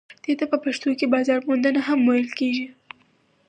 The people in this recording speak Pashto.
دې ته په پښتو کې بازار موندنه هم ویل کیږي.